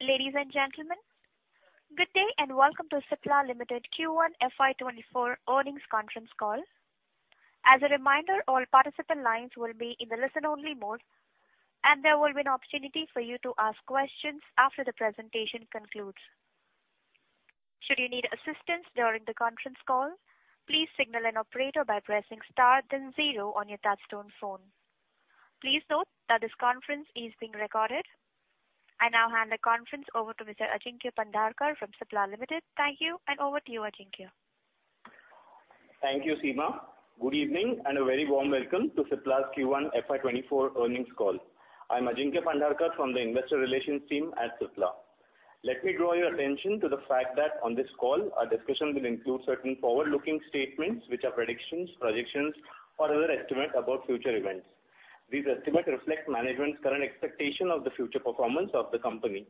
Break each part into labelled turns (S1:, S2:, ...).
S1: Ladies and gentlemen, good day, welcome to Cipla Limited Q1 FY 2024 earnings conference call. As a reminder, all participant lines will be in the listen-only mode, and there will be an opportunity for you to ask questions after the presentation concludes. Should you need assistance during the conference call, please signal an operator by pressing star then zero on your touchtone phone. Please note that this conference is being recorded. I now hand the conference over to Mr. Ajinkya Pandharkar from Cipla Limited. Thank you, and over to you, Ajinkya.
S2: Thank you, Seema. Good evening, a very warm welcome to Cipla's Q1 FY 2024 earnings call. I'm Ajinkya Pandharkar from the Investor Relations team at Cipla. Let me draw your attention to the fact that on this call, our discussion will include certain forward-looking statements, which are predictions, projections, or other estimates about future events. These estimates reflect management's current expectation of the future performance of the company.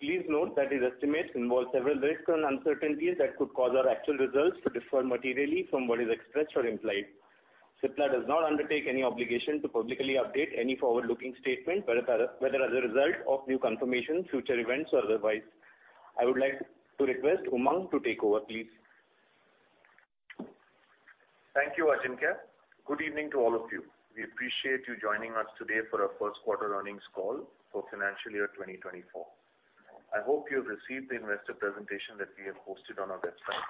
S2: Please note that these estimates involve several risks and uncertainties that could cause our actual results to differ materially from what is expressed or implied. Cipla does not undertake any obligation to publicly update any forward-looking statement, whether as a result of new confirmations, future events, or otherwise. I would like to request Umang to take over, please.
S3: Thank you, Ajinkya. Good evening to all of you. We appreciate you joining us today for our first quarter earnings call for financial year 2024. I hope you have received the investor presentation that we have posted on our website.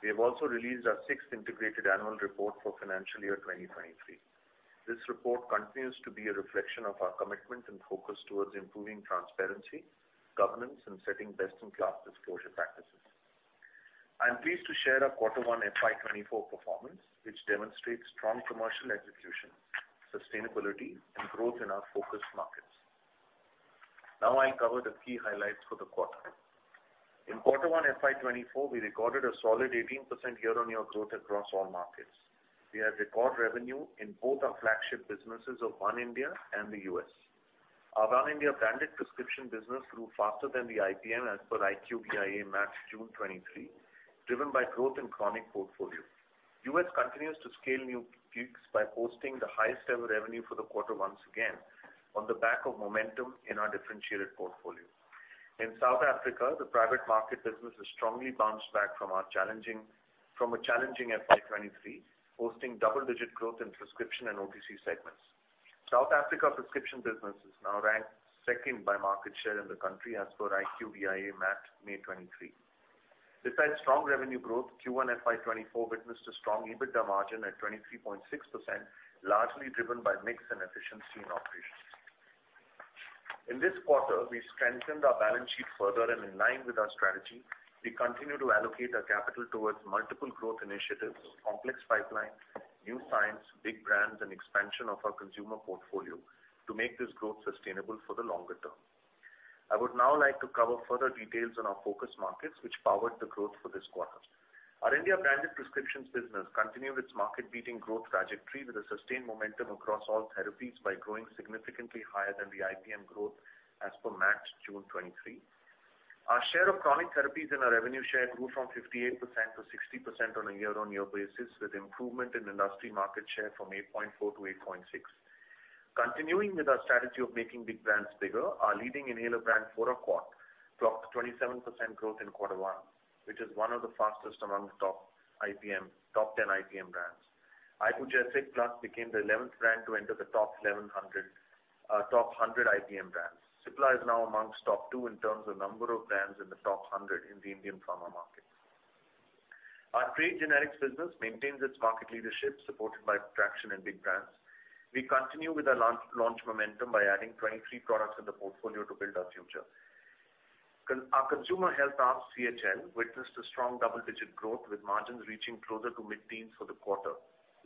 S3: We have also released our sixth integrated annual report for financial year 2023. This report continues to be a reflection of our commitment and focus towards improving transparency, governance, and setting best-in-class disclosure practices. I am pleased to share our quarter one FY 2024 performance, which demonstrates strong commercial execution, sustainability, and growth in our focus markets. Now, I'll cover the key highlights for the quarter. In quarter one, FY 2024, we recorded a solid 18% year-on-year growth across all markets. We had record revenue in both our flagship businesses of One India and the U.S. Our One India branded prescription business grew faster than the IPM as per IQVIA MAT, June 2023, driven by growth in chronic portfolio. U.S. continues to scale new peaks by posting the highest ever revenue for the quarter once again on the back of momentum in our differentiated portfolio. In South Africa, the private market business has strongly bounced back from a challenging FY 2023, posting double-digit growth in prescription and OTC segments. South Africa prescription business is now ranked second by market share in the country as per IQVIA MAT, May 2023. Besides strong revenue growth, Q1 FY 2024 witnessed a strong EBITDA margin at 23.6%, largely driven by mix and efficiency in operations. In this quarter, we strengthened our balance sheet further. In line with our strategy, we continue to allocate our capital towards multiple growth initiatives, complex pipelines, new science, big brands, and expansion of our consumer portfolio to make this growth sustainable for the longer term. I would now like to cover further details on our focus markets, which powered the growth for this quarter. Our India branded prescriptions business continued its market-leading growth trajectory with a sustained momentum across all therapies by growing significantly higher than the IPM growth as per MAT, June 2023. Our share of chronic therapies and our revenue share grew from 58% to 60% on a year-on-year basis, with improvement in industry market share from 8.4 to 8.6. Continuing with our strategy of making big brands bigger, our leading inhaler brand, Foracort, dropped 27% growth in quarter one, which is one of the fastest among the top IPM, top 10 IPM brands. Ibugesic Plus became the 11th brand to enter the top 100 IPM brands. Cipla is now amongst top two in terms of number of brands in the top 100 in the Indian pharma market. Our trade generics business maintains its market leadership, supported by traction in big brands. We continue with our launch momentum by adding 23 products in the portfolio to build our future. Our consumer health arm, CHL, witnessed a strong double-digit growth, with margins reaching closer to mid-teens for the quarter,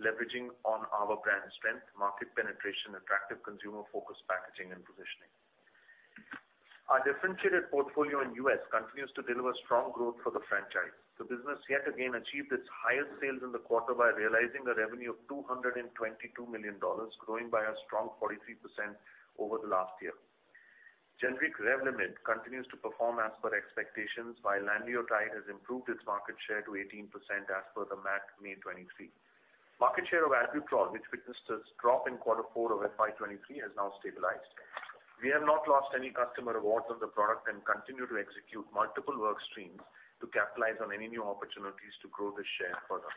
S3: leveraging on our brand strength, market penetration, attractive consumer-focused packaging, and positioning. Our differentiated portfolio in U.S. continues to deliver strong growth for the franchise. The business yet again achieved its highest sales in the quarter by realizing a revenue of $222 million, growing by a strong 43% over the last year. Generic Revlimid continues to perform as per expectations, while Lanreotide has improved its market share to 18% as per the MAT, May 2023. Market share of Albuterol, which witnessed a drop in Q4 of FY 2023, has now stabilized. We have not lost any customer awards on the product and continue to execute multiple work streams to capitalize on any new opportunities to grow the share further.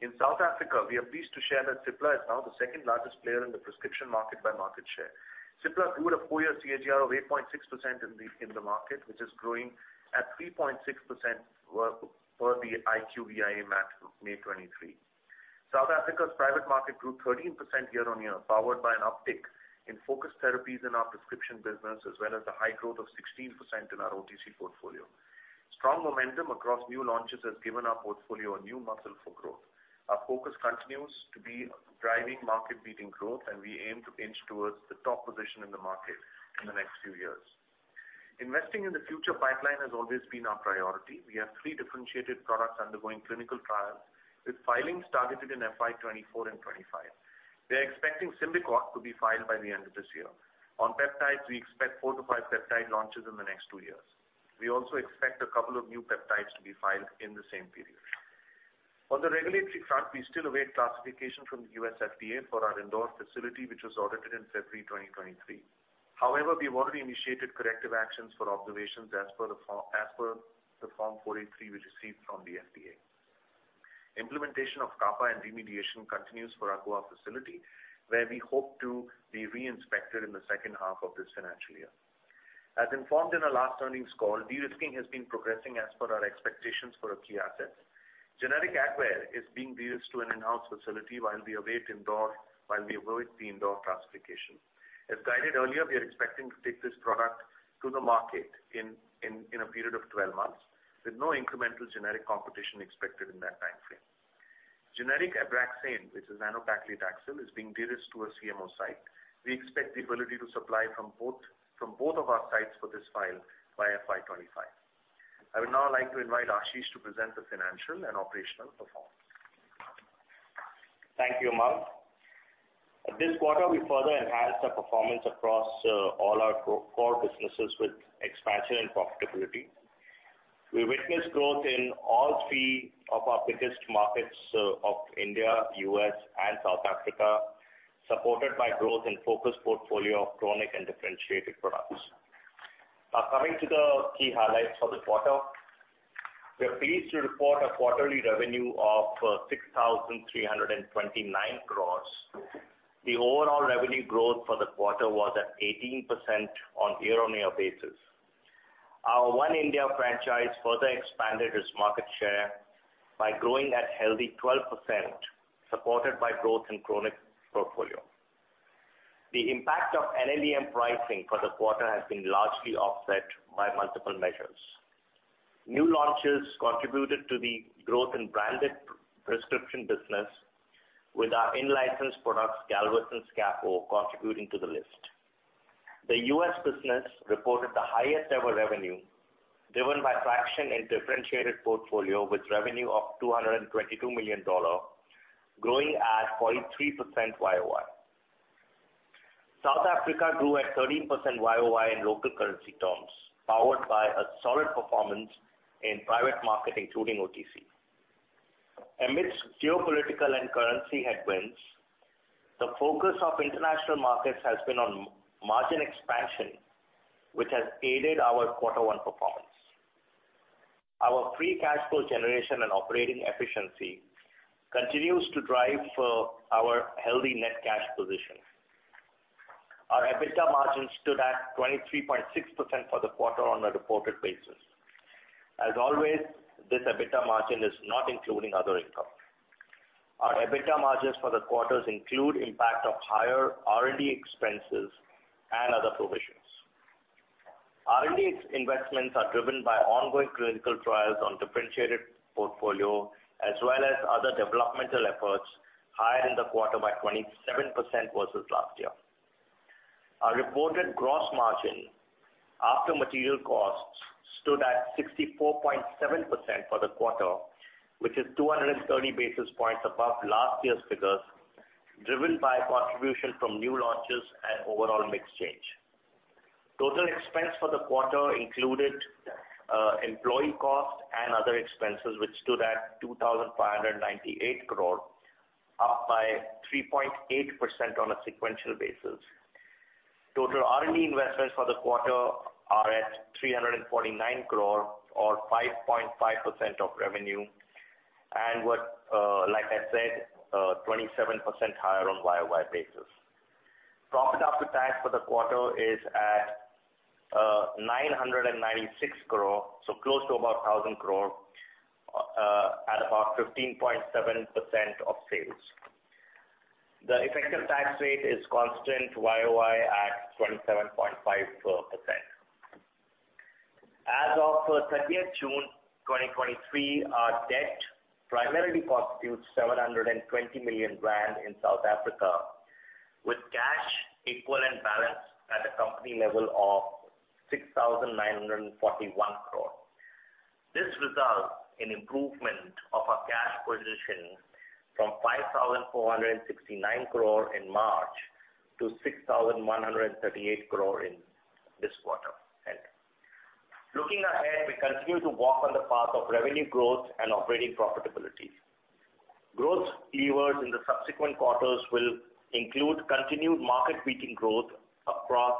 S3: In South Africa, we are pleased to share that Cipla is now the second-largest player in the prescription market by market share. Cipla grew at a four-year CAGR of 8.6% in the, in the market, which is growing at 3.6% per the IQVIA MAT, May 2023. South Africa's private market grew 13% year-on-year, powered by an uptick in focus therapies in our prescription business, as well as the high growth of 16% in our OTC portfolio. Strong momentum across new launches has given our portfolio a new muscle for growth. Our focus continues to be driving market-leading growth, and we aim to inch towards the top position in the market in the next few years. Investing in the future pipeline has always been our priority. We have three differentiated products undergoing clinical trials, with filings targeted in FY 2024 and 2025. We are expecting Symbicort to be filed by the end of this year. On peptides, we expect four to five peptide launches in the next two years. We also expect a couple of new peptides to be filed in the same period. On the regulatory front, we still await classification from the US FDA for our Indore facility, which was audited in February 2023. We have already initiated corrective actions for observations as per the Form 483 we received from the FDA. Implementation of CAPA and remediation continues for our Goa facility, where we hope to be re-inspected in the second half of this financial year. Informed in our last earnings call, de-risking has been progressing as per our expectations for our key assets. Generic Advair is being de-risked to an in-house facility while we await the Indore classification. As guided earlier, we are expecting to take this product to the market in a period of 12 months, with no incremental generic competition expected in that time frame. Generic Abraxane, which is nab-paclitaxel, is being de-risked to a CMO site. We expect the ability to supply from both of our sites for this file by FY 2025. I would now like to invite Ashish to present the financial and operational performance.
S4: Thank you, Umang. This quarter, we further enhanced our performance across all our core businesses with expansion and profitability. We witnessed growth in all three of our biggest markets of India, U.S., and South Africa, supported by growth in focused portfolio of chronic and differentiated products. Coming to the key highlights for the quarter, we are pleased to report a quarterly revenue of 6,329 crores. The overall revenue growth for the quarter was at 18% on year-on-year basis. Our One India franchise further expanded its market share by growing at a healthy 12%, supported by growth in chronic portfolio. The impact of NLEM pricing for the quarter has been largely offset by multiple measures. New launches contributed to the growth in branded prescription business, with our in-licensed products, Galvus and Scapho, contributing to the list. The US business reported the highest ever revenue, driven by traction and differentiated portfolio, with revenue of $222 million, growing at 0.3% YOY. South Africa grew at 13% YOY in local currency terms, powered by a solid performance in private market, including OTC. Amidst geopolitical and currency headwinds, the focus of international markets has been on margin expansion, which has aided our quarter one performance. Our free cash flow generation and operating efficiency continues to drive our healthy net cash position. Our EBITDA margin stood at 23.6% for the quarter on a reported basis. As always, this EBITDA margin is not including other income. Our EBITDA margins for the quarters include impact of higher R&D expenses and other provisions. R&D investments are driven by ongoing clinical trials on differentiated portfolio, as well as other developmental efforts, higher in the quarter by 27% versus last year. Our reported gross margin after material costs stood at 64.7% for the quarter, which is 230 basis points above last year's figures, driven by contribution from new launches and overall mix change. Total expense for the quarter included employee costs and other expenses, which stood at 2,598 crore, up by 3.8% on a sequential basis. Total R&D investments for the quarter are at 349 crore, or 5.5% of revenue, and were, like I said, 27% higher on YOY basis. Profit after tax for the quarter is at 996 crore, so close to about 1,000 crore, at about 15.7% of sales. The effective tax rate is constant YOY at 27.5%. As of June 30, 2023, our debt primarily constitutes 720 million rand in South Africa, with cash equivalent balance at a company level of 6,941 crore. This results in improvement of our cash position from 5,469 crore in March to 6,138 crore in this quarter end. Looking ahead, we continue to walk on the path of revenue growth and operating profitability. Growth levers in the subsequent quarters will include continued market-leading growth across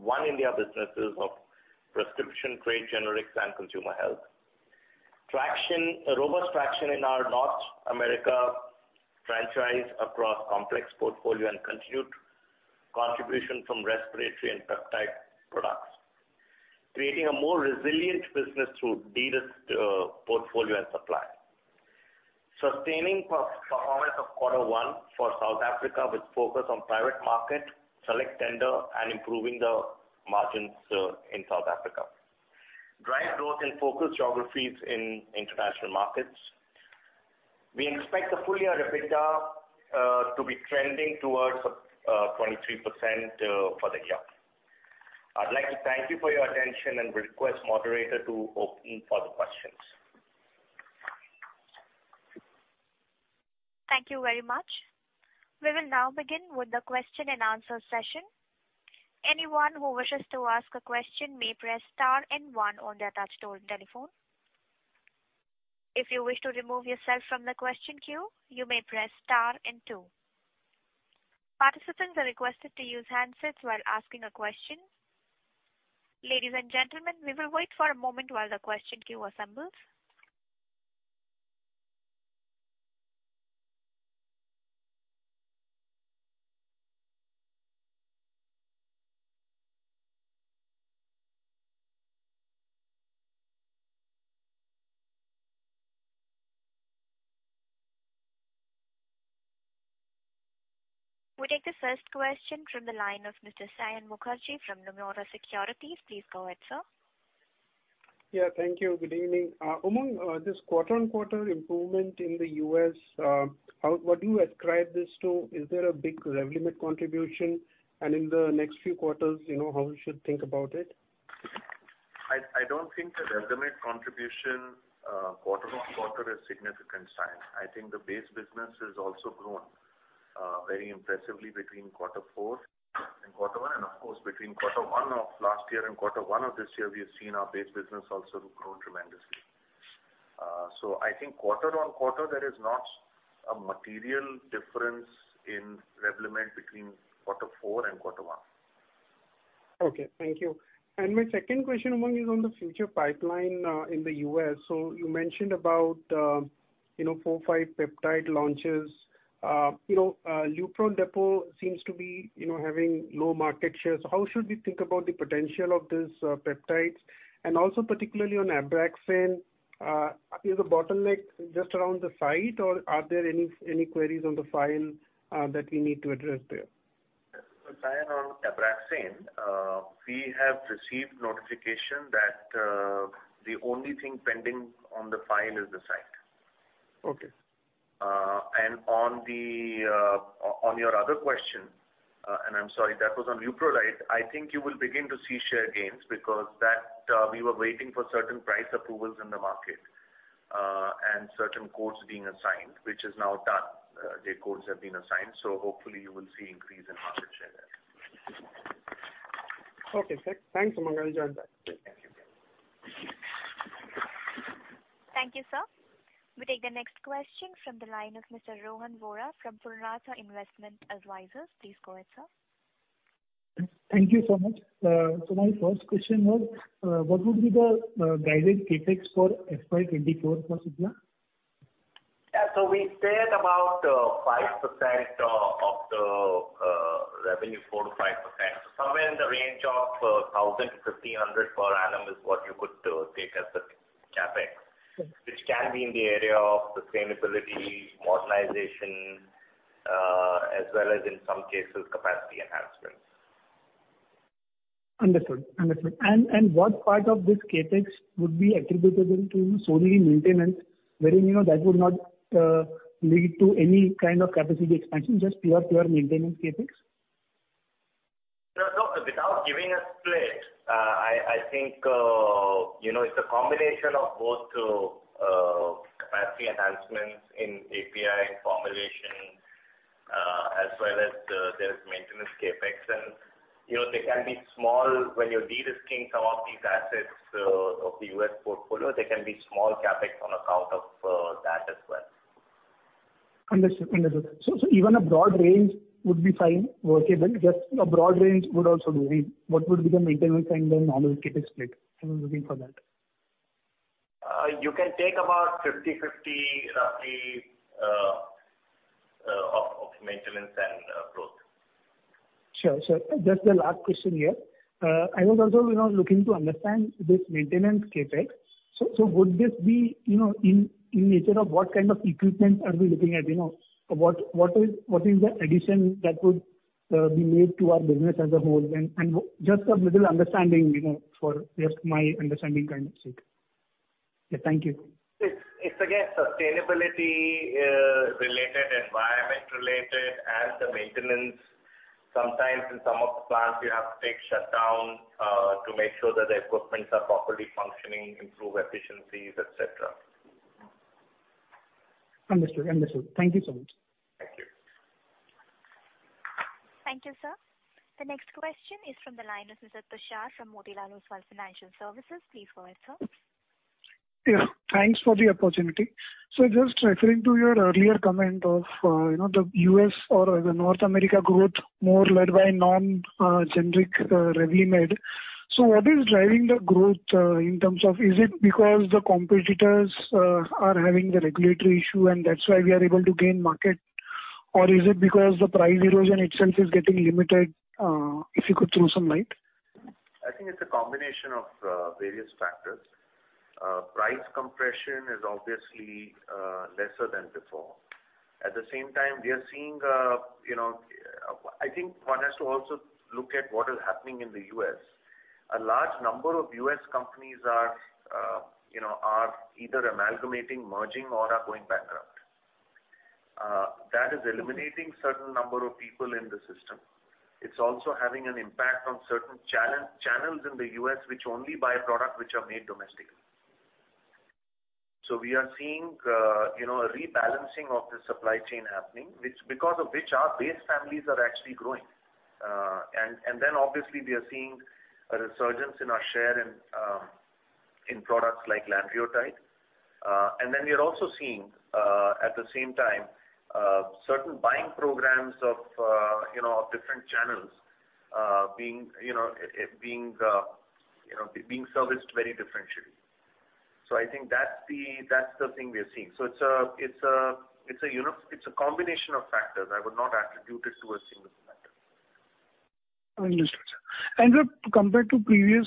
S4: One India businesses of prescription, Trade Generics, and Consumer Health. Traction, a robust traction in our North America franchise across complex portfolio and continued contribution from respiratory and peptide products, creating a more resilient business through de-risked portfolio and supply. Sustaining performance of quarter one for South Africa, with focus on private market, select tender, and improving the margins in South Africa. Drive growth in focus geographies in international markets. We expect the full year EBITDA to be trending towards 23% for the year. I'd like to thank you for your attention and request moderator to open for the questions.
S1: Thank you very much. We will now begin with the question and answer session. Anyone who wishes to ask a question may press star and one on their touch-tone telephone. If you wish to remove yourself from the question queue, you may press star and two. Participants are requested to use handsets while asking a question. Ladies and gentlemen, we will wait for a moment while the question queue assembles. We take the first question from the line of Mr. Saion Mukherjee from Nomura Securities. Please go ahead, sir.
S5: Yeah, thank you. Good evening. Umang, this quarter-on-quarter improvement in the US, how, what do you ascribe this to? Is there a big Revlimid contribution, and in the next few quarters, you know, how we should think about it?
S3: I don't think the Revlimid contribution, quarter-on-quarter is significant, Sayan. I think the base business has also grown very impressively between quarter four and quarter one, and of course, between quarter one of last year and quarter one of this year, we have seen our base business also grow tremendously. I think quarter-on-quarter, there is not a material difference in Revlimid between quarter four and quarter one.
S5: Okay, thank you. My second question, one, is on the future pipeline in the U.S. You mentioned about, you know, four, five peptide launches. You know, Lupron Depot seems to be, you know, having low market shares. How should we think about the potential of this peptides, and also particularly on Abraxane, is the bottleneck just around the site, or are there any queries on the file that we need to address there?
S3: Sayan, on Abraxane, we have received notification that, the only thing pending on the file is the site.
S5: Okay.
S3: On your other question, I'm sorry, that was on Leuprolide, right? I think you will begin to see share gains because that we were waiting for certain price approvals in the market, certain codes being assigned, which is now done. The codes have been assigned, hopefully you will see increase in market share there.
S5: Okay, sir. Thanks, Umang. I'll join back.
S3: Thank you.
S1: Thank you, sir. We take the next question from the line of Mr. Rohan Vora from Purnartha Investment Advisers. Please go ahead, sir. Thank you so much. My first question was, what would be the guided CapEx for FY 2024 for Cipla?
S3: We said about 5% of the revenue, 4%-5%. Somewhere in the range of 1,000-1,500 per annum is what you could take as the CapEx. Okay. Which can be in the area of sustainability, modernization, as well as in some cases, capacity enhancements. Understood. Understood. What part of this CapEx would be attributable to solely maintenance, wherein, you know, that would not lead to any kind of capacity expansion, just pure maintenance CapEx? No, no, without giving a split, I think, you know, it's a combination of both to capacity enhancements in API and formulation, as well as there is maintenance CapEx. You know, they can be small when you're de-risking some of these assets of the US portfolio, they can be small CapEx on account of that as well. Understood. Understood. Even a broad range would be fine, workable, just a broad range would also do. What would be the maintenance and the normal CapEx split? I was looking for that. You can take about 50/50, roughly, of maintenance and growth. Sure, sir. Just the last question here. I was also, you know, looking to understand this maintenance CapEx. Would this be, you know, in nature of what kind of equipment are we looking at? You know, what is the addition that would be made to our business as a whole? Just a little understanding, you know, for just my understanding kind of sake. Yeah, thank you. It's again, sustainability related, environment related, and the maintenance. Sometimes in some of the plants, you have to take shutdown to make sure that the equipments are properly functioning, improve efficiencies, et cetera. Understood. Understood. Thank you so much. Thank you.
S1: Thank you, sir. The next question is from the line of Mr. Prashant from Motilal Oswal Financial Services. Please go ahead, sir.
S6: Yeah, thanks for the opportunity. Just referring to your earlier comment of, you know, the U.S. or the North America growth, more led by non generic Revlimid. What is driving the growth in terms of? Is it because the competitors are having the regulatory issue, and that's why we are able to gain market? Or is it because the price erosion itself is getting limited? If you could throw some light.
S3: I think it's a combination of various factors. Price compression is obviously lesser than before. At the same time, we are seeing, you know, I think one has to also look at what is happening in the U.S. A large number of U.S. companies are, you know, are either amalgamating, merging, or are going bankrupt. That is eliminating certain number of people in the system. It's also having an impact on certain channels in the U.S., which only buy products which are made domestically. We are seeing, you know, a rebalancing of the supply chain happening, which, because of which our base families are actually growing. Then obviously, we are seeing a resurgence in our share in products like Lanreotide. Then we are also seeing, at the same time, certain buying programs of, you know, of different channels, being, you know, it being, you know, being serviced very differentially. I think that's the, that's the thing we are seeing. It's a combination of factors. I would not attribute it to a single factor.
S6: Understood, sir. Compared to previous,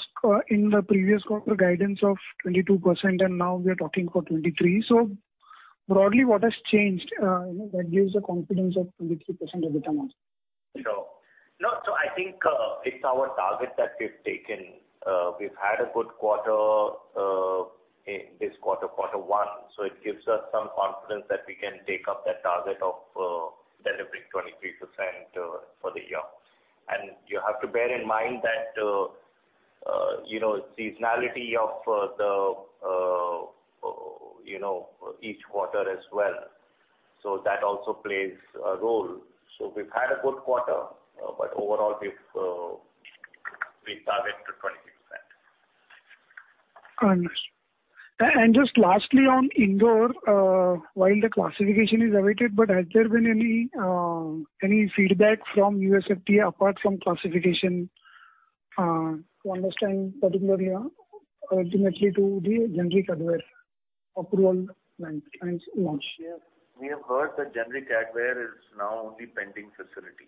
S6: in the previous quarter guidance of 22%, and now we are talking for 23%. Broadly, what has changed, you know, that gives the confidence of 23% of the demand?
S3: No. No, I think, it's our target that we've taken. We've had a good quarter, in this quarter one, so it gives us some confidence that we can take up that target of delivering 23% for the year. You have to bear in mind that, you know, seasonality of the, you know, each quarter as well. That also plays a role. We've had a good quarter, but overall, we've we target to 23%.
S6: Understood. Just lastly on Indore, while the classification is awaited, but has there been any feedback from USFDA apart from classification, to understand particularly, ultimately to the generic Advair approval? Thanks so much.
S3: Yeah. We have heard that generic Advair is now only pending facility.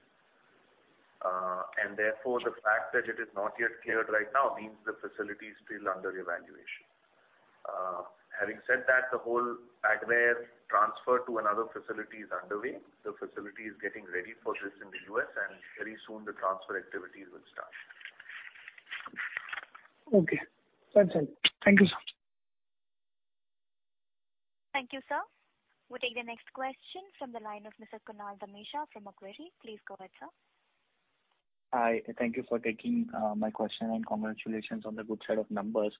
S3: The fact that it is not yet cleared right now means the facility is still under evaluation. Having said that, the whole Advair transfer to another facility is underway. The facility is getting ready for this in the US, and very soon the transfer activities will start.
S6: Okay. That's it. Thank you, sir.
S1: Thank you, sir. We'll take the next question from the line of Mr. Kunal Dhamesha from Macquarie. Please go ahead, sir.
S7: Hi, thank you for taking my question, and congratulations on the good set of numbers.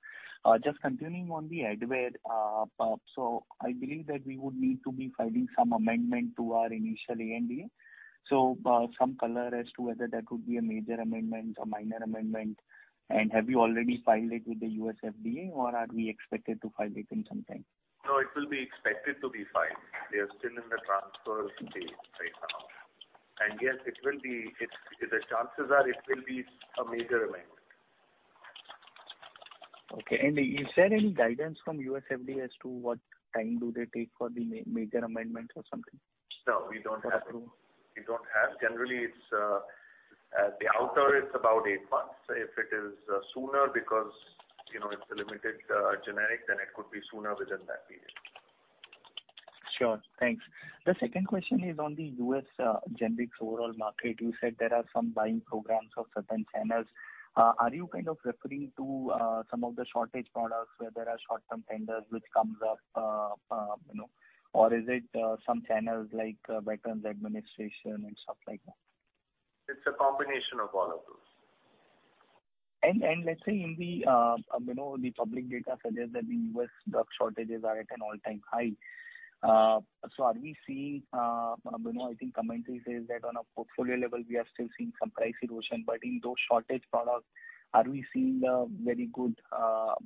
S7: Just continuing on the Advair, I believe that we would need to be filing some amendment to our initial ANDA. Some color as to whether that would be a major amendment or minor amendment, and have you already filed it with the USFDA, or are we expected to file it in some time?
S3: No, it will be expected to be filed. We are still in the transfer stage right now. Yes, the chances are it will be a major amendment.
S7: Okay. Is there any guidance from USFDA as to what time do they take for the major amendment or something?
S3: No, we don't have.
S7: To approve.
S3: We don't have. Generally, it's at the outer, it's about eight months. If it is sooner because, you know, it's a limited generic, then it could be sooner within that period.
S7: Sure. Thanks. The second question is on the U.S. generics overall market. You said there are some buying programs of certain channels. Are you kind of referring to some of the shortage products where there are short-term tenders which comes up, you know, or is it some channels like Veterans Administration and stuff like that?
S3: It's a combination of all of those.
S7: Let's say in the, you know, the public data suggests that the U.S. drug shortages are at an all-time high. Are we seeing, you know, I think commentary says that on a portfolio level, we are still seeing some price erosion, but in those shortage products, are we seeing a very good,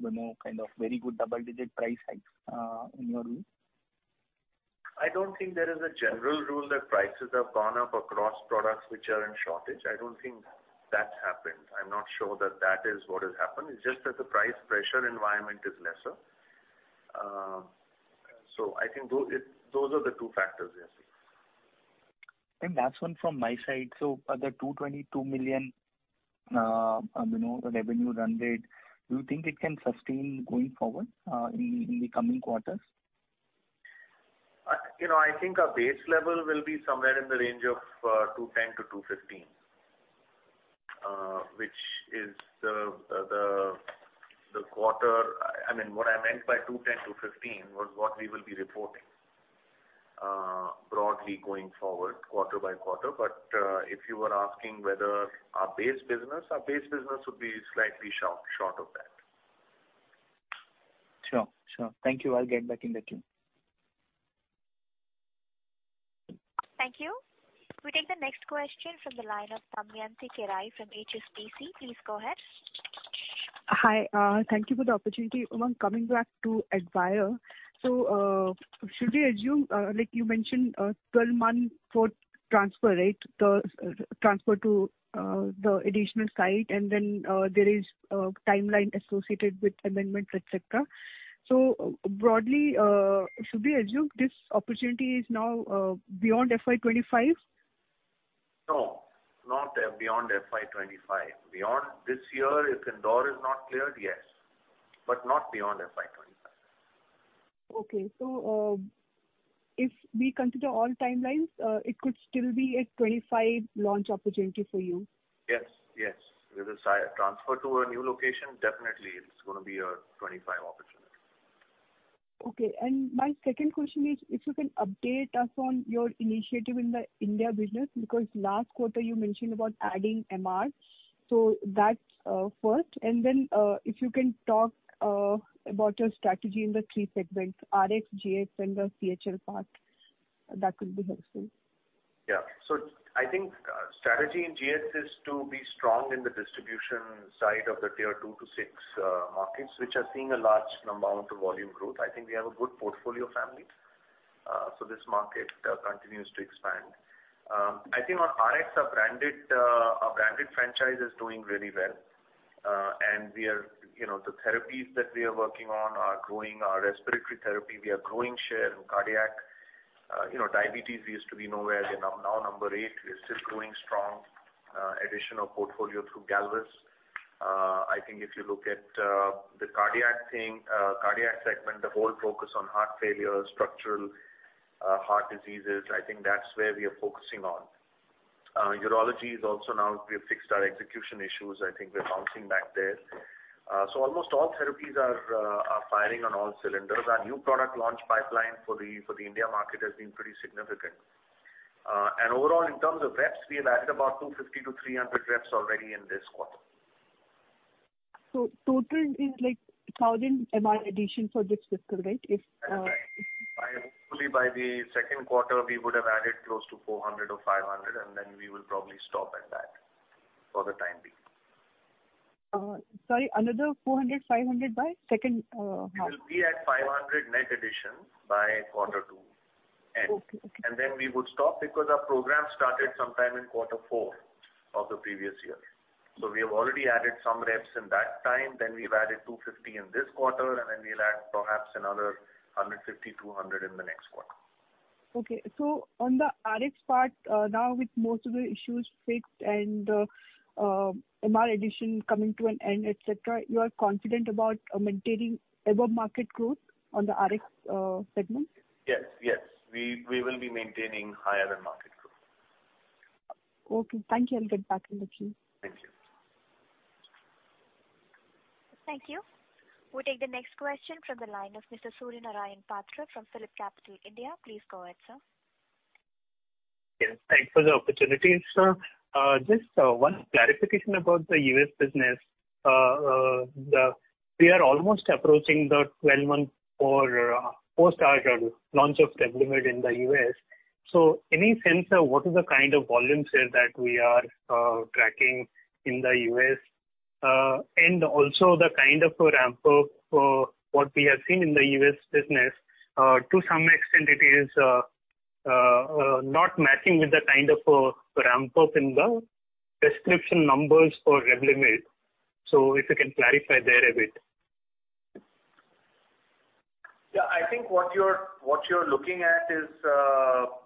S7: you know, kind of double-digit price hikes, in your view?
S3: I don't think there is a general rule that prices have gone up across products which are in shortage. I don't think that's happened. I'm not sure that that is what has happened. It's just that the price pressure environment is lesser. I think those are the two factors we are seeing.
S7: Last one from my side. Are the $222 million, you know, revenue run rate, do you think it can sustain going forward in the coming quarters?
S3: You know, I think our base level will be somewhere in the range of 210-215. I mean, what I meant by 210-215 was what we will be reporting, broadly going forward, quarter by quarter. If you were asking whether our base business would be slightly short of that.
S7: Sure. Thank you. I'll get back in the queue.
S1: Thank you. We take the next question from the line of Damayanti Kerai from HSBC. Please go ahead.
S8: Hi, thank you for the opportunity. Coming back to Advair, should we assume, like you mentioned, 12 months for transfer, right? The transfer to the additional site, and then there is a timeline associated with amendments, et cetera. Broadly, should we assume this opportunity is now beyond FY 2025?
S3: No, not beyond FY 2025. Beyond this year, if Indore is not cleared, yes, but not beyond FY 2025.
S8: Okay. If we consider all timelines, it could still be a 2025 launch opportunity for you?
S3: Yes, yes. With a transfer to a new location, definitely, it's gonna be a 2025 opportunity.
S8: Okay, my second question is, if you can update us on your initiative in the India business, because last quarter you mentioned about adding MR. That's first, then if you can talk about your strategy in the 3 segments, RX, GS, and the CHL part, that would be helpful.
S3: I think strategy in GS is to be strong in the distribution side of the tier 2-6 markets, which are seeing a large amount of volume growth. I think we have a good portfolio family. This market continues to expand. I think on RX, our branded franchise is doing really well. We are, you know, the therapies that we are working on are growing our respiratory therapy. We are growing share in cardiac. You know, diabetes used to be nowhere, we are now number 8. We are still growing strong, addition of portfolio through Galvus. If you look at the cardiac thing, cardiac segment, the whole focus on heart failure, structural heart diseases, I think that's where we are focusing on. Urology is also now, we have fixed our execution issues. I think we're bouncing back there. Almost all therapies are firing on all cylinders. Our new product launch pipeline for the India market has been pretty significant. Overall, in terms of reps, we have added about 250-300 reps already in this quarter.
S8: total is like 1,000 MR addition for this fiscal, right?
S3: That's right. Hopefully by the second quarter, we would have added close to 400 or 500, we will probably stop at that for the time being.
S8: sorry, another 400, 500 by second, half.
S3: We'll be at 500 net addition by quarter two end.
S8: Okay.
S3: We would stop because our program started sometime in quarter four of the previous year. We have already added some reps in that time, then we've added 250 in this quarter, and then we'll add perhaps another 150, 200 in the next quarter.
S8: Okay. On the RX part, now with most of the issues fixed and MR addition coming to an end, et cetera, you are confident about maintaining above market growth on the RX segment?
S3: Yes. We will be maintaining higher than market growth.
S8: Okay, thank you. I'll get back in the queue.
S3: Thank you.
S1: Thank you. We'll take the next question from the line of Mr. Suryanarayan Patra from PhillipCapital. Please go ahead, sir.
S9: Yes, thanks for the opportunity, sir. Just one clarification about the US business. We are almost approaching the 12-month for post our launch of Revlimid in the US. Any sense of what is the kind of volume share that we are tracking in the US? And also the kind of a ramp up what we have seen in the US business, to some extent it is not matching with the kind of ramp up in the prescription numbers for Revlimid. If you can clarify there a bit.
S3: Yeah, I think what you're looking at is,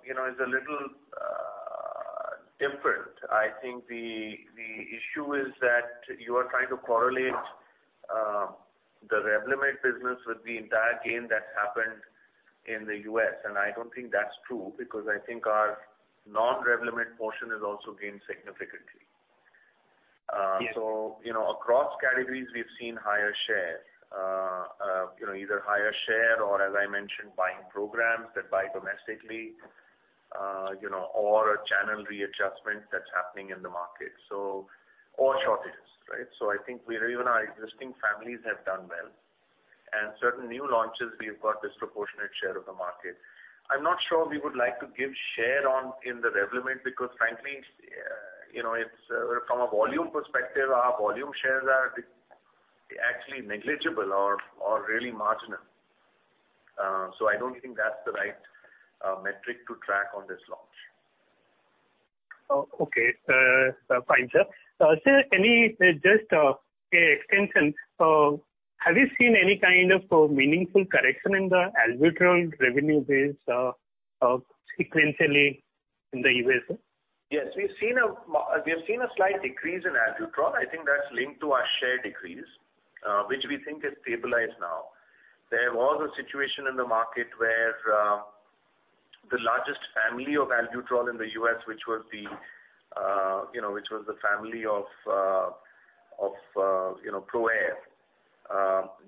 S3: you know, is a little different. I think the issue is that you are trying to correlate the Revlimid business with the entire gain that's happened in the US. I don't think that's true, because I think our non-Revlimid portion has also gained significantly. So, across categories, we've seen higher share. Either higher share or as I mentioned, buying programs that buy domestically, or a channel readjustment that's happening in the market. Or shortages, right? So I think even our existing families have done well, and certain new launches, we've got disproportionate share of the market. I'm not sure we would like to give share on Revlimid, because frankly, it's from a volume perspective, our volume shares are actually negligible or really marginal. So I don't think that's the right metric to track on this launch.
S9: Oh, okay. Fine, sir. Sir, any just a extension, have you seen any kind of meaningful correction in the Albuterol revenue base sequentially in the U.S., sir?
S3: Yes, we have seen a slight decrease in Albuterol. I think that's linked to our share decrease, which we think is stabilized now. There was a situation in the market where the largest family of Albuterol in the US, which was the, you know, which was the family of, you know, ProAir.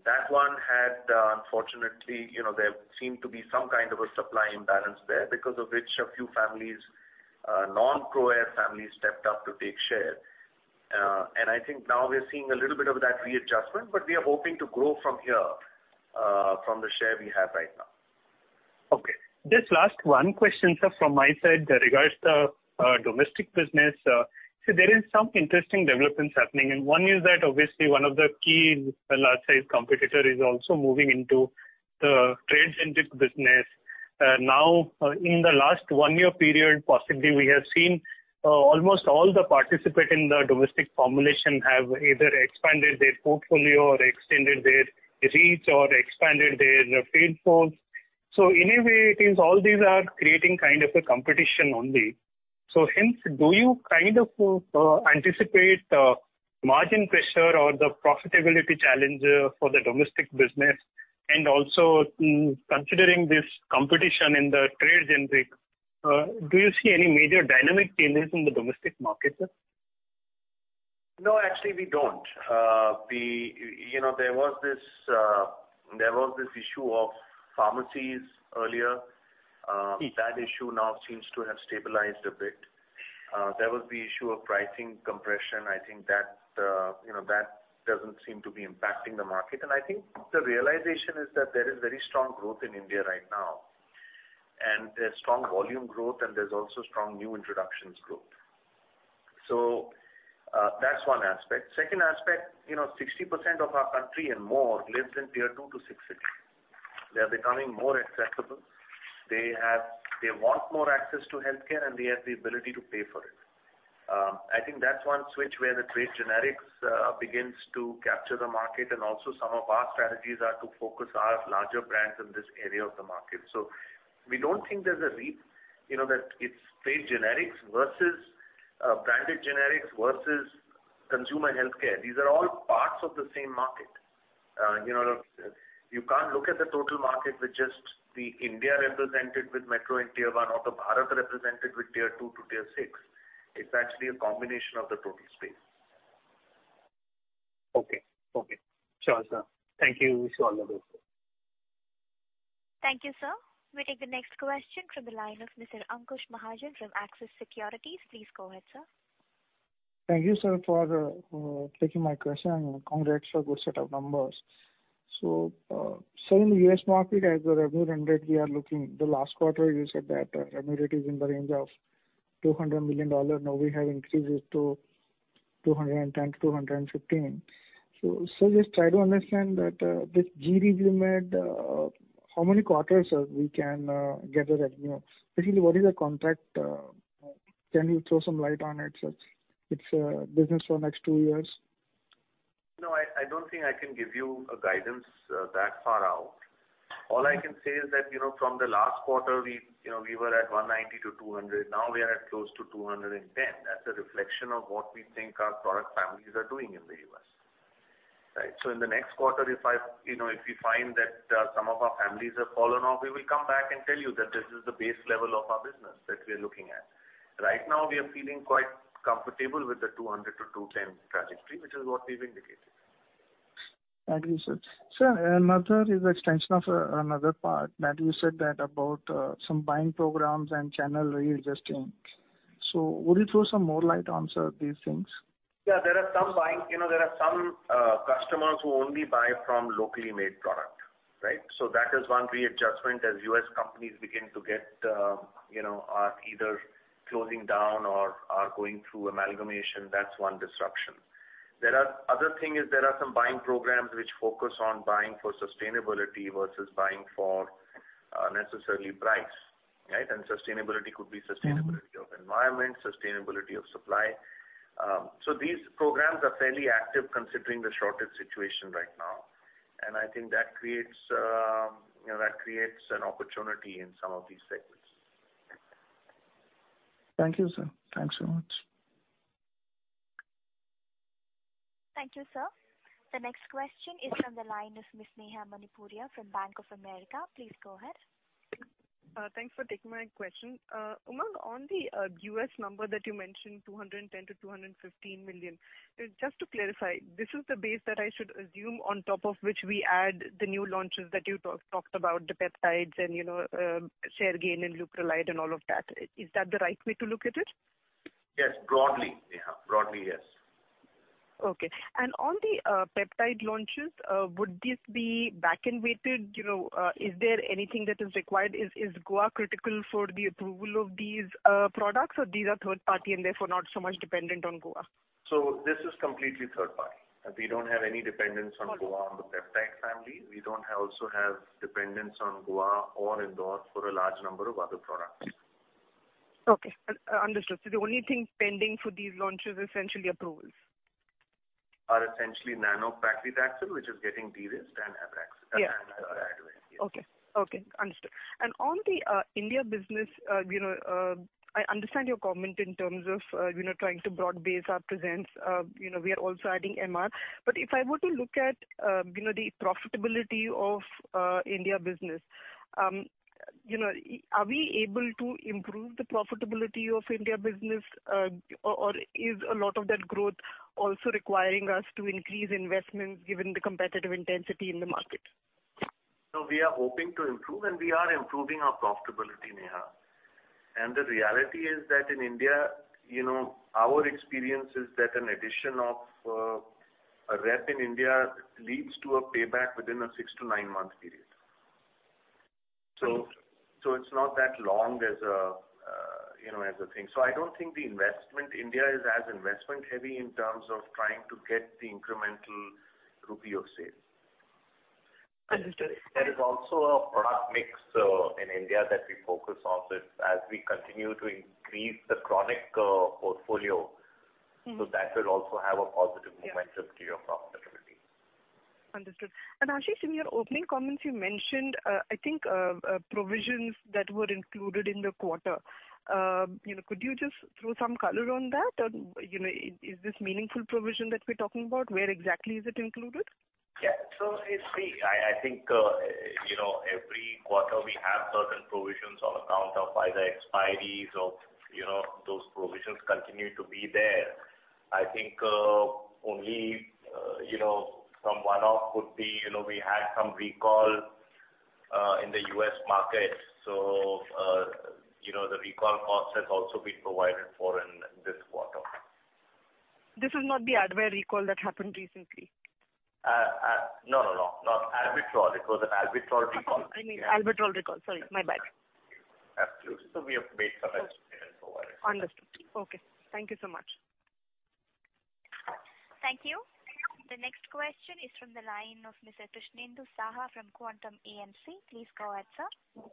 S3: That one had, unfortunately, you know, there seemed to be some kind of a supply imbalance there, because of which a few families, non-ProAir families stepped up to take share. I think now we are seeing a little bit of that readjustment, but we are hoping to grow from here, from the share we have right now.
S9: Okay. Just last one question, sir, from my side regards the domestic business. There is some interesting developments happening, and one is that obviously one of the key large size competitor is also moving into the trade-centered business. Now, in the last one-year period, possibly, we have seen almost all the participant in the domestic formulation have either expanded their portfolio or extended their reach or expanded their sales force. In a way, it is all these are creating kind of a competition only. Hence, do you kind of anticipate margin pressure or the profitability challenge for the domestic business? Also, considering this competition in the trade generic, do you see any major dynamic changes in the domestic market, sir?
S3: No, actually we don't. We, you know, there was this, there was this issue of pharmacies earlier. That issue now seems to have stabilized a bit. There was the issue of pricing compression. I think that, you know, that doesn't seem to be impacting the market. I think the realization is that there is very strong growth in India right now, and there's strong volume growth, and there's also strong new introductions growth. That's one aspect. Second aspect, you know, 60% of our country and more lives in tier 2 to 6 cities. They are becoming more accessible. They want more access to healthcare, and they have the ability to pay for it. I think that's 1 switch where the trade generics begins to capture the market, and also some of our strategies are to focus our larger brands in this area of the market. We don't think there's a leap, you know, that it's trade generics versus branded generics versus consumer healthcare. These are all parts of the same market. You know, you can't look at the total market with just the India represented with metro and tier 1, or the Bharat represented with tier 2 to tier 6. It's actually a combination of the total space.
S9: Okay. Okay. Sure, sir. Thank you. Wish you all the best.
S1: Thank you, sir. We take the next question from the line of Mr. Ankush Mahajan from Axis Securities. Please go ahead, sir.
S10: Thank you, sir, for taking my question, and congrats for good set of numbers. In US market, as the revenue 100, we are looking, the last quarter you said that revenue is in the range of $200 million. Now we have increased it to $210 million-$215 million. Just try to understand that, this GD you made, how many quarters, we can gather that, you know? Basically, what is the contract, can you throw some light on it, sir? It's business for next 2 years.
S3: No, I don't think I can give you a guidance that far out. I can say is that, you know, from the last quarter, we, you know, were at $190-$200, now we are at close to $210. That's a reflection of what we think our product families are doing in the U.S. Right? In the next quarter, if I, you know, if we find that some of our families have fallen off, we will come back and tell you that this is the base level of our business that we are looking at. Right now, we are feeling quite comfortable with the $200-$210 trajectory, which is what we've indicated.
S10: Thank you, sir. Sir, another is extension of, another part, that you said that about, some buying programs and channel readjusting. Would you throw some more light on, sir, these things?
S3: Yeah, there are some, you know, there are some customers who only buy from locally made product, right? That is one readjustment as US companies begin to get, you know, are either closing down or are going through amalgamation. That's one disruption. Other thing is there are some buying programs which focus on buying for sustainability versus buying for necessarily price, right? Sustainability could be sustainability of environment, sustainability of supply. These programs are fairly active considering the shortage situation right now, I think that creates, you know, that creates an opportunity in some of these segments.
S10: Thank you, sir. Thanks so much.
S1: Thank you, sir. The next question is from the line of Miss Neha Manpuria from Bank of America. Please go ahead.
S11: Thanks for taking my question. Umang, on the US number that you mentioned, $210 million-$215 million. Just to clarify, this is the base that I should assume on top of which we add the new launches that you talked about, the peptides and, you know, share gain and Leuprolide and all of that. Is that the right way to look at it?
S3: Yes, broadly, Neha. Broadly, yes.
S11: Okay. On the peptide launches, would this be back-ended weighted, you know, is there anything that is required? Is Goa critical for the approval of these products, or these are third party and therefore not so much dependent on Goa?
S3: This is completely third party. We don't have any dependence on the peptide family. We also have dependence on Goa or Indore for a large number of other products.
S11: Understood. The only thing pending for these launches is essentially approvals.
S3: Are essentially nab-paclitaxel, which is getting de-risked and Abraxane.
S11: Yeah.
S3: Advair.
S11: Okay. Okay, understood. On the India business, you know, I understand your comment in terms of, you know, trying to broad-base our presence. You know, we are also adding MR. If I were to look at, you know, the profitability of India business, you know, are we able to improve the profitability of India business, or is a lot of that growth also requiring us to increase investment, given the competitive intensity in the market?
S3: We are hoping to improve, and we are improving our profitability, Neha. The reality is that in India, you know, our experience is that an addition of a rep in India leads to a payback within a 6 to 9-month period It's not that long as a, you know, as a thing. I don't think the investment India is as investment heavy in terms of trying to get the incremental rupee of sales.
S11: Understood.
S3: There is also a product mix in India that we focus on so as we continue to increase the chronic portfolio. That will also have a positive momentum to your profitability.
S11: Understood. Ashish, in your opening comments, you mentioned, I think, provisions that were included in the quarter. You know, could you just throw some color on that? Or, you know, is this meaningful provision that we're talking about? Where exactly is it included?
S4: Yeah. You see, I think, you know, every quarter we have certain provisions on account of either expiries or, you know, those provisions continue to be there. I think, only, you know, some one-off could be, you know, we had some recall in the U.S. market. You know, the recall cost has also been provided for in this quarter.
S11: This is not the Advair recall that happened recently?
S4: No, not Albuterol. It was an Albuterol recall.
S11: I mean, Albuterol recall. Sorry, my bad.
S3: Absolutely. We have made some estimates for it.
S11: Understood. Okay, thank you so much.
S1: Thank you. The next question is from the line of Mr. Krishnendu Saha from Quantum AMC. Please go ahead, sir.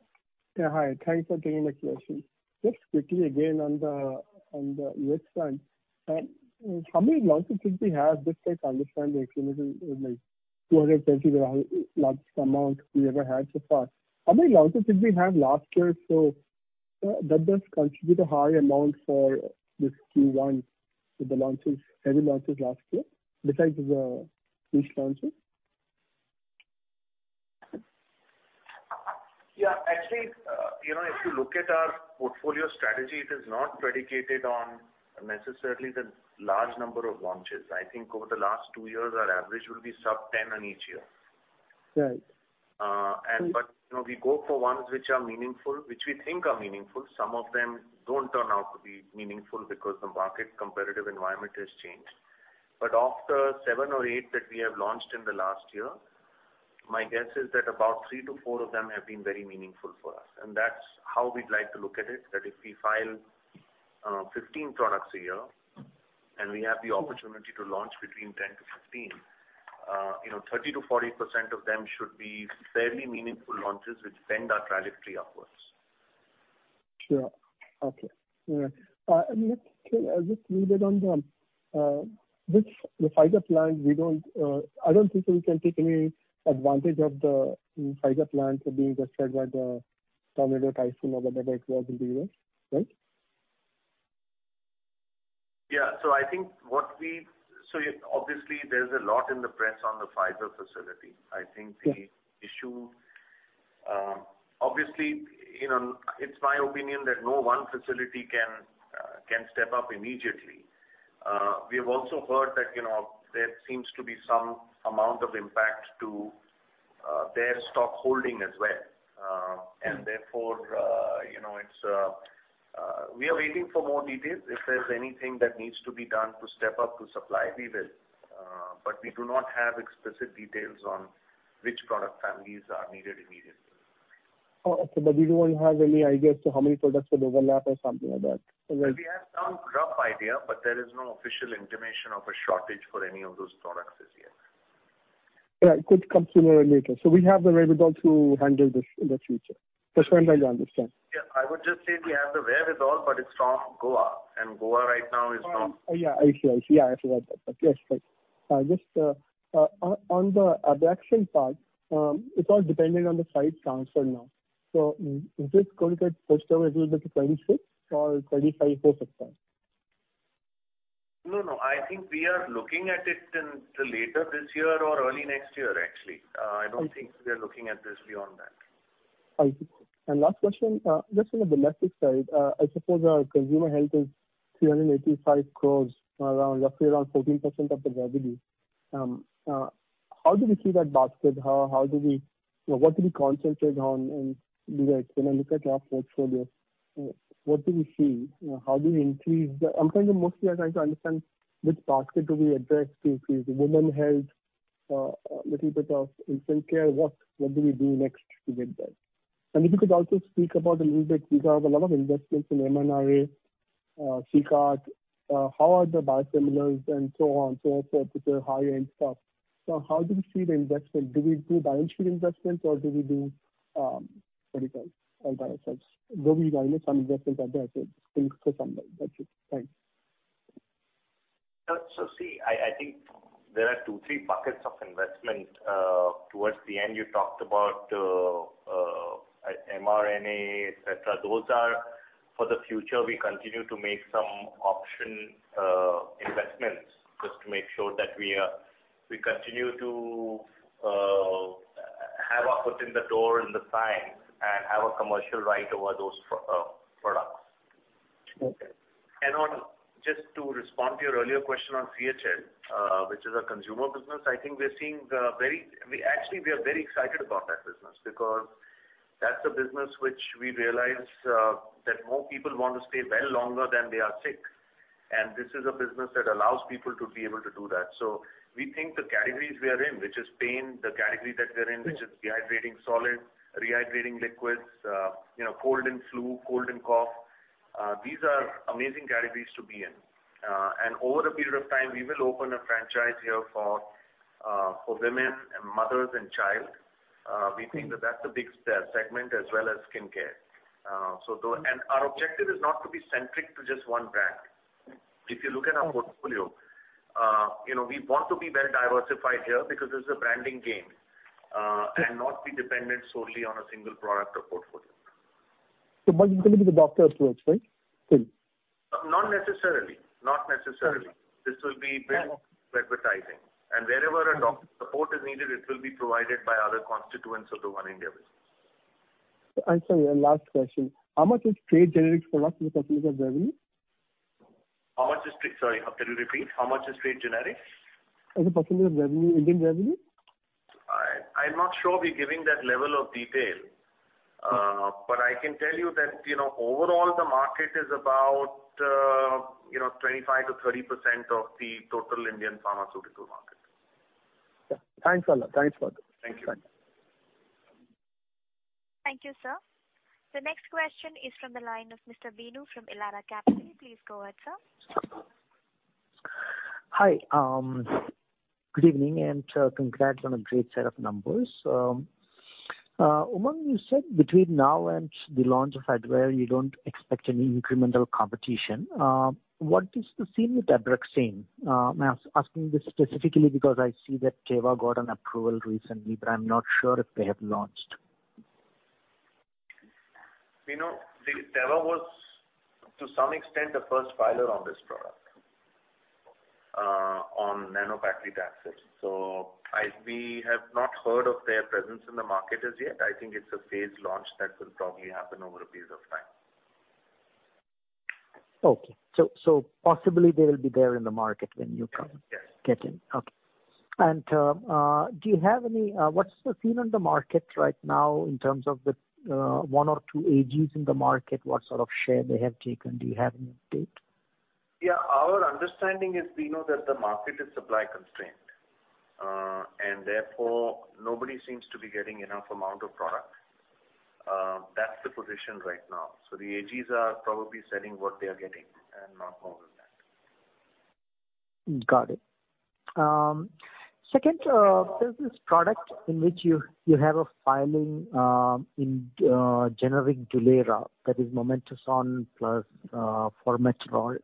S12: Yeah, hi. Thanks for taking the question. Just quickly again, on the U.S. front, how many launches did we have this year to understand the extremely, like, 230 large amount we ever had so far? How many launches did we have last year, that does contribute a high amount for this Q1 with the launches, heavy launches last year, besides the huge launches?
S3: Actually, you know, if you look at our portfolio strategy, it is not predicated on necessarily the large number of launches. I think over the last two years, our average will be sub 10 in each year.
S12: Right.
S3: You know, we go for ones which are meaningful, which we think are meaningful. Some of them don't turn out to be meaningful because the market competitive environment has changed. Of the seven or eight that we have launched in the last year, my guess is that about three to four of them have been very meaningful for us, and that's how we'd like to look at it. If we file 15 products a year, and we have the opportunity to launch between 10 to 15, you know, 30% to 40% of them should be fairly meaningful launches, which bend our trajectory upwards.
S12: Sure. Okay. All right. Just, just a little bit on the, which the Pfizer plant, we don't, I don't think we can take any advantage of the Pfizer plant being affected by the tornado, typhoon or whatever it was in the U.S., right?
S3: Yeah. I think obviously, there's a lot in the press on the Pfizer facility.
S12: Yeah.
S3: I think the issue, obviously, you know, it's my opinion that no one facility can step up immediately. We have also heard that, you know, there seems to be some amount of impact to their stock holding as well. Therefore, you know, it's. We are waiting for more details. If there's anything that needs to be done to step up to supply, we will, but we do not have explicit details on which product families are needed immediately.
S12: Oh, okay. You don't have any idea as to how many products would overlap or something like that?
S3: We have some rough idea, but there is no official intimation of a shortage for any of those products as yet.
S12: Right. Could come sooner or later. We have the wherewithal to handle this in the future. That's what I understand.
S3: Yeah. I would just say we have the wherewithal, but it's from Goa, and Goa right now is from-
S12: Yeah, I see. I see. Yeah, I forgot that. Yes, but, just, on the Abraxane part, it's all dependent on the site transfer now. Is this going to get pushed over a little bit to 2026 or 2025, 2045?
S3: No, no, I think we are looking at it in the later this year or early next year, actually. I don't think we are looking at this beyond that.
S12: I see. Last question, just on the holistic side, I suppose our consumer health is 385 crores, around, roughly around 14% of the revenue. How do we see that basket? How do we... What do we concentrate on in the next? When I look at your portfolio, what do we see? How do we increase? I'm trying to, mostly I'm trying to understand which basket do we address to increase women health, a little bit of infant care. What do we do next to get that? If you could also speak about a little bit, we have a lot of investments in mRNA, CAR-T, how are the biosimilars and so on, so with the high-end stuff. How do we see the investment? Do we do balance sheet investments, or do we do, what you call, by ourselves? Though we know some investments are there, I think for some time. That's it. Thanks.
S3: See, I think there are 2, 3 buckets of investment. Towards the end, you talked about mRNA, et cetera. Those are for the future. We continue to make some option investments, just to make sure that we continue to have our foot in the door in the science and have a commercial right over those products.
S12: Okay.
S3: On, just to respond to your earlier question on CHL, which is our consumer business. I think we're seeing. Actually, we are very excited about that business, because that's a business which we realize, that more people want to stay well longer than they are sick. This is a business that allows people to be able to do that. We think the categories we are in, which is pain, the category that we're in which is rehydrating solids, rehydrating liquids, you know, cold and flu, cold and cough, these are amazing categories to be in. Over a period of time, we will open a franchise here for women and mothers and child. We think that that's a big segment as well as skin care. Our objective is not to be centric to just one brand. If you look at our portfolio, you know, we want to be well diversified here because this is a branding game, and not be dependent solely on a single product or portfolio....
S12: it's going to be the doctor approach, right? Still.
S3: Not necessarily, not necessarily.
S12: Okay.
S3: This will be bit advertising, and wherever a doctor support is needed, it will be provided by other constituents of the One India business.
S12: Sorry, last question: How much is Trade Generics products as a % of revenue?
S3: Sorry, could you repeat? How much is trade generics?
S12: As a percentage of revenue, Indian revenue.
S3: I'm not sure we're giving that level of detail. I can tell you that, you know, overall, the market is about, you know, 25%-30% of the total Indian pharmaceutical market.
S12: Yeah. Thanks a lot. Thanks for that.
S3: Thank you.
S1: Thank you, sir. The next question is from the line of Mr. Vinu from Elara Capital. Please go ahead, sir.
S13: Hi, good evening, and congrats on a great set of numbers. Umang, you said between now and the launch of Advair, you don't expect any incremental competition. What is the scene with Abraxane? I'm asking this specifically because I see that Teva got an approval recently, but I'm not sure if they have launched.
S3: The Teva was, to some extent, the first filer on this product, on nab-paclitaxel. We have not heard of their presence in the market as yet. I think it's a phased launch that will probably happen over a period of time.
S13: Okay. Possibly they will be there in the market when you come-
S3: Yes.
S13: get in. Okay. Do you have any... What's the scene on the market right now in terms of the one or two AGs in the market? What sort of share they have taken? Do you have any update?
S3: Yeah. Our understanding is we know that the market is supply-constrained, therefore, nobody seems to be getting enough amount of product. That's the position right now. The AGs are probably selling what they are getting and not more than that.
S13: Got it. Second, there's this product in which you have a filing in generic Dulera, that is mometasone plus formoterol.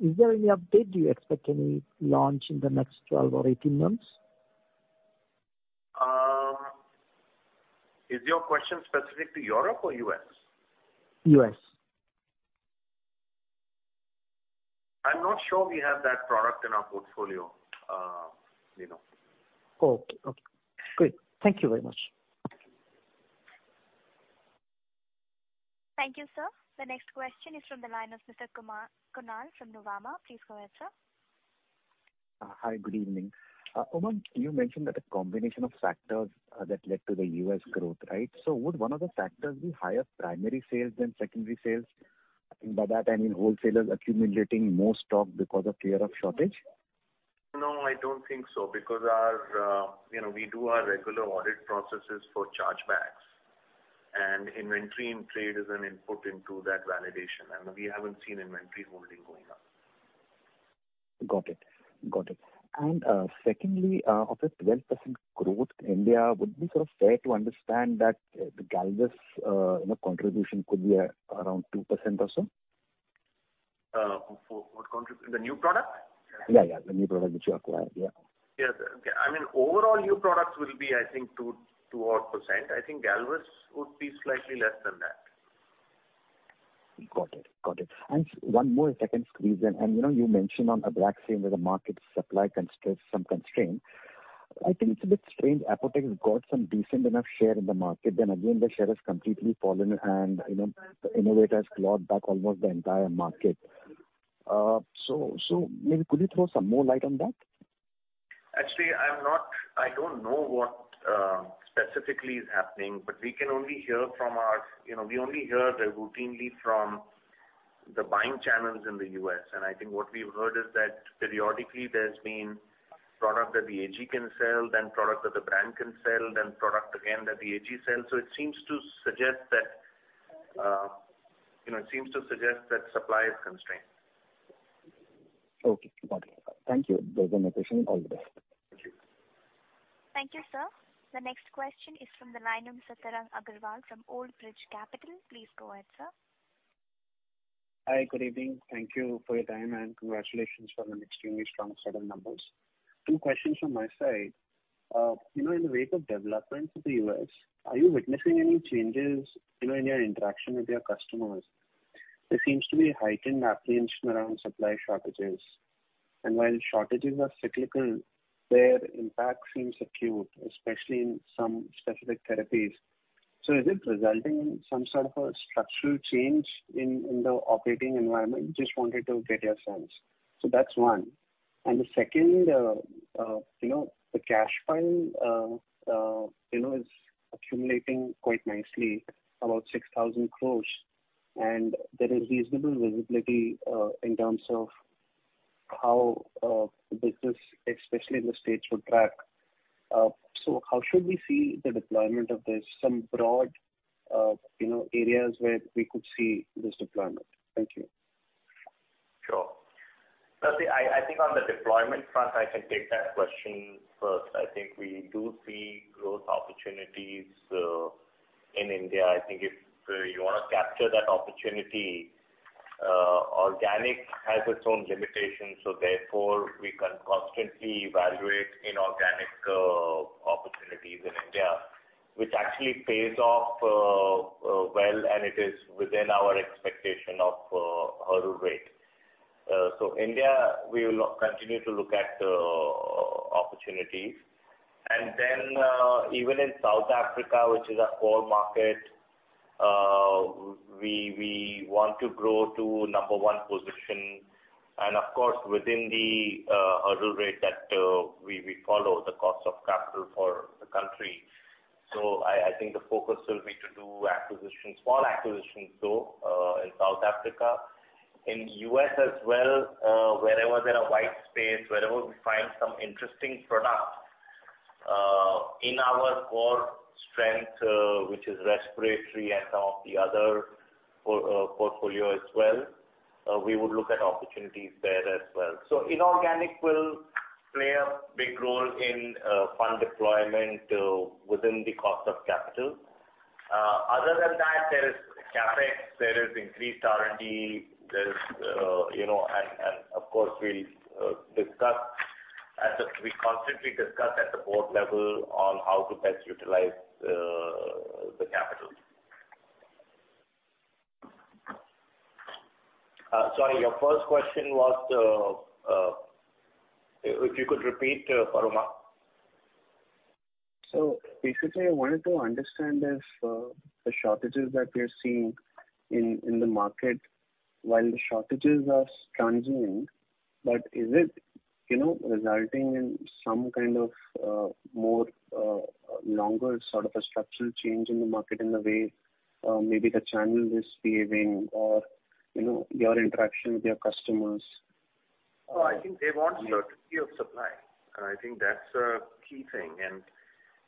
S13: Is there any update? Do you expect any launch in the next 12 or 18 months?
S3: Is your question specific to Europe or US?
S13: US.
S3: I'm not sure we have that product in our portfolio, Vinu.
S13: Okay. Okay, great. Thank you very much.
S1: Thank you, sir. The next question is from the line of Mr. Kunal Randeria from Nuvama. Please go ahead, sir.
S14: Hi, good evening. Umang, you mentioned that a combination of factors that led to the U.S. growth, right? Would one of the factors be higher primary sales than secondary sales? By that, I mean, wholesalers accumulating more stock because of fear of shortage.
S3: No, I don't think so, because our, you know, we do our regular audit processes for chargebacks, and inventory in trade is an input into that validation, and we haven't seen inventory holding going up.
S14: Got it. Got it. Secondly, of the 12% growth, India, would be sort of fair to understand that the Galvus, you know, contribution could be around 2% or so?
S3: The new product?
S14: Yeah, yeah, the new product which you acquired. Yeah.
S3: Yeah. Okay. I mean, overall, new products will be, I think, 2 odd percent. I think Galvus would be slightly less than that.
S14: Got it. Got it. One more second squeeze, and, you know, you mentioned on Abraxane that the market supply some constrained. I think it's a bit strange. Apotex has got some decent enough share in the market, then again, the share has completely fallen and, you know, the innovator has clawed back almost the entire market. Maybe could you throw some more light on that?
S3: Actually, I don't know what specifically is happening, but we can only hear. You know, we only hear routinely from the buying channels in the US, and I think what we've heard is that periodically there's been product that the AG can sell, then product that the brand can sell, then product again that the AG sells. It seems to suggest that, you know, it seems to suggest that supply is constrained.
S14: Okay, got it. Thank you very much. All the best.
S3: Thank you.
S1: Thank you, sir. The next question is from the line of Tarang Agrawal from Old Bridge Capital. Please go ahead, sir.
S15: Hi, good evening. Thank you for your time, and congratulations on an extremely strong set of numbers. Two questions from my side. You know, in the wake of developments in the US, are you witnessing any changes, you know, in your interaction with your customers? There seems to be a heightened apprehension around supply shortages. While shortages are cyclical, their impact seems acute, especially in some specific therapies. Is it resulting in some sort of a structural change in the operating environment? Just wanted to get your sense. That's one. The second, you know, the cash pile, you know, is accumulating quite nicely, about 6,000 crores, and there is reasonable visibility, in terms of how the business, especially in the States, would track. How should we see the deployment of this, some broad, you know, areas where we could see this deployment? Thank you.
S3: I think on the deployment front, I can take that question first. I think we do see growth opportunities in India. I think if you want to capture that opportunity, organic has its own limitations, therefore, we can constantly evaluate inorganic opportunities in India, which actually pays off well, and it is within our expectation of hurdle rate. India, we will continue to look at opportunities. Even in South Africa, which is our core market, we want to grow to number one position, and of course, within the hurdle rate that we follow, the cost of capital for the country. I think the focus will be to do acquisitions, small acquisitions though, in South Africa In U.S. as well, wherever there are white space, wherever we find some interesting products, in our core strength, which is respiratory and some of the other portfolio as well, we would look at opportunities there as well. Inorganic will play a big role in fund deployment within the cost of capital. Other than that, there is CapEx, there is increased R&D, there is, you know, and of course, we constantly discuss at the board level on how to best utilize the capital. Sorry, your first question was, if you could repeat, Paroma.
S15: Basically, I wanted to understand if the shortages that we are seeing in the market, while the shortages are transient, but is it, you know, resulting in some kind of, more, longer sort of a structural change in the market, in the way, maybe the channel is behaving or, you know, your interaction with your customers?
S3: I think they want certainty of supply, and I think that's a key thing.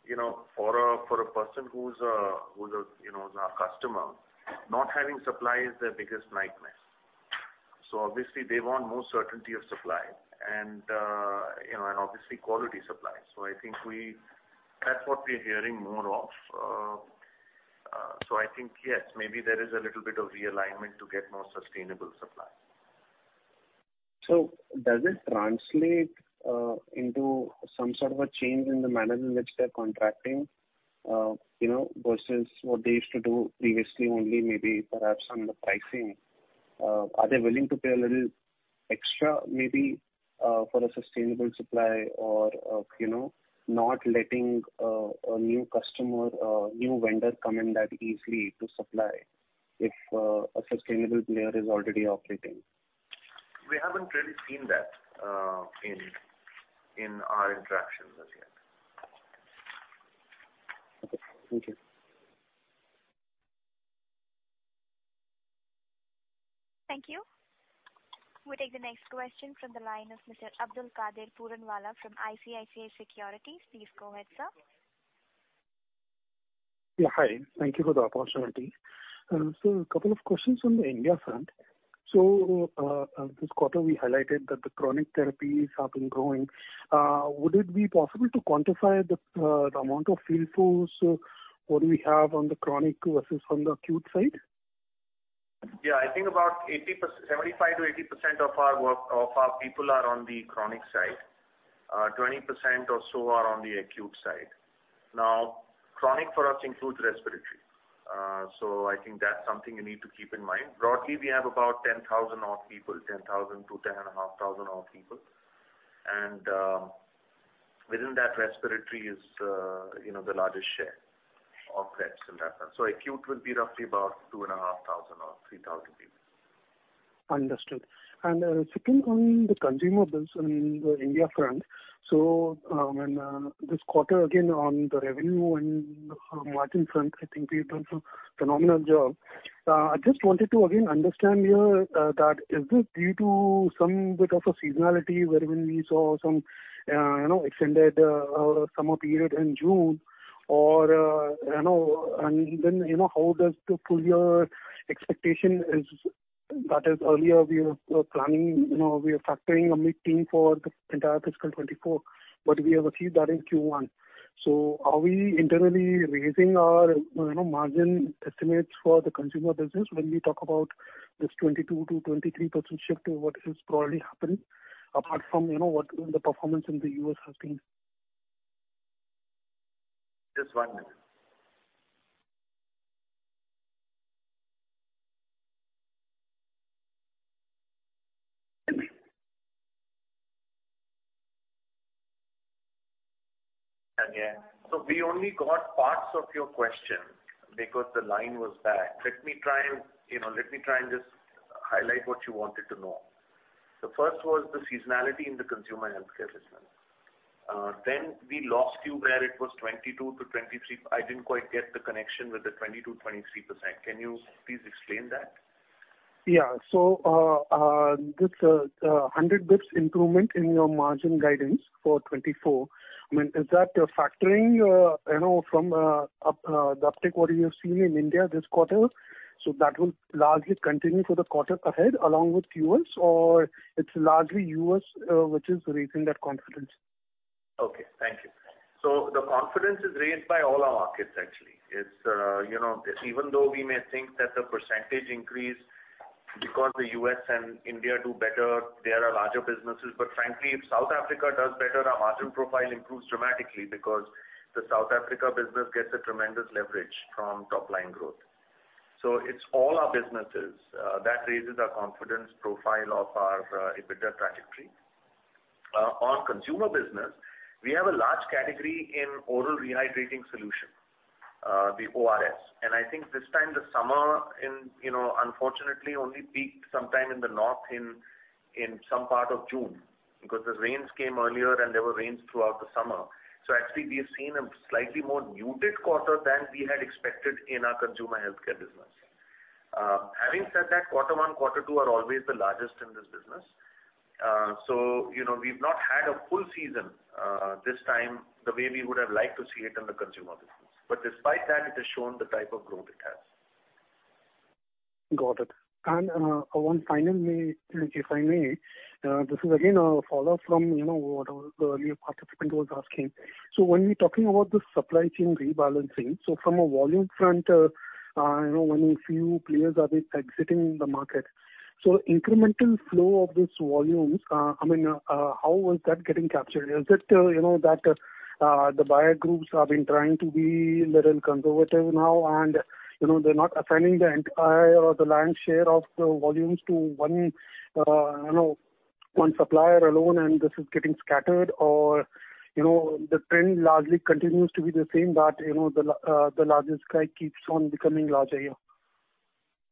S3: You know, for a person who's a, you know, is our customer, not having supply is their biggest nightmare. Obviously, they want more certainty of supply and, you know, and obviously, quality supply. That's what we're hearing more of. I think, yes, maybe there is a little bit of realignment to get more sustainable supply.
S15: Does it translate into some sort of a change in the manner in which they're contracting, you know, versus what they used to do previously, only maybe perhaps on the pricing? Are they willing to pay a little extra, maybe, for a sustainable supply or, you know, not letting a new customer, new vendor come in that easily to supply if a sustainable player is already operating?
S3: We haven't really seen that, in our interactions as yet.
S15: Okay. Thank you.
S1: Thank you. We'll take the next question from the line of Mr. Abdulkader Puranwala from ICICI Securities. Please go ahead, sir. Yeah, hi. Thank you for the opportunity. A couple of questions on the India front. This quarter, we highlighted that the chronic therapies have been growing. Would it be possible to quantify the amount of field force, what do we have on the chronic versus on the acute side?
S3: I think about 80%-- 75%-80% of our work, of our people are on the chronic side. 20% or so are on the acute side. Chronic for us includes respiratory. I think that's something you need to keep in mind. Broadly, we have about 10,000 of people, 10,000 to 10 and a half thousand of people. Within that, respiratory is, you know, the largest share of that in that sense. Acute will be roughly about 2 and a half thousand or 3,000 people.
S16: Understood. 2nd, on the consumables in the India front, this quarter, again, on the revenue and margin front, I think we've done a phenomenal job. I just wanted to again understand here, that is this due to some bit of a seasonality, wherein we saw some, you know, extended summer period in June, or, you know, how does the full year expectation is? Earlier we were planning, you know, we are factoring a meeting for the entire fiscal 2024, but we have achieved that in Q1. Are we internally raising our, you know, margin estimates for the consumer business when we talk about this 22%-23% shift, what is probably happening, apart from, you know, what the performance in the US has been?
S3: Just 1 minute. Again, we only got parts of your question because the line was back. Let me try and, you know, let me try and just highlight what you wanted to know. The first was the seasonality in the consumer Healthcare business. We lost you where it was 22%-23%. I didn't quite get the connection with the 22%, 23%. Can you please explain that?
S16: This 100 basis points improvement in your margin guidance for 2024, I mean, is that factoring, you know, from the uptick what you have seen in India this quarter? That will largely continue for the quarter ahead, along with U.S., or it's largely U.S. which is raising that confidence?
S3: Okay, thank you. The confidence is raised by all our markets, actually. It's, you know, even though we may think that the percentage increase because the US and India do better, they are larger businesses. Frankly, if South Africa does better, our margin profile improves dramatically because the South Africa business gets a tremendous leverage from top line growth. It's all our businesses that raises our confidence profile of our EBITDA trajectory. On consumer business, we have a large category in oral rehydrating solution, the ORS. I think this time, the summer in, you know, unfortunately, only peaked sometime in the north in some part of June, because the rains came earlier and there were rains throughout the summer. Actually, we have seen a slightly more muted quarter than we had expected in our consumer healthcare business. Having said that, quarter one, quarter two are always the largest in this business. You know, we've not had a full season, this time, the way we would have liked to see it in the consumer business. Despite that, it has shown the type of growth it has.
S16: Got it. One final if I may, this is again a follow-up from, you know, what our earlier participant was asking. When we're talking about the supply chain rebalancing, from a volume front, you know, when we see players are exiting the market, incremental flow of these volumes, I mean, how was that getting captured? Is it, you know, that, the buyer groups have been trying to be a little conservative now, and, you know, they're not assigning the entire or the lion's share of the volumes to one, you know, one supplier alone, and this is getting scattered, or, you know, the trend largely continues to be the same, that, you know, the largest guy keeps on becoming larger here?